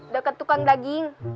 dekat tukang daging